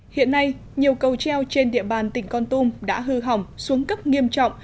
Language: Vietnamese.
hiện nay nhiều cầu treo trên địa bàn tỉnh con tum đã hư hỏng xuống cấp nghiêm trọng